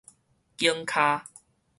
筧跤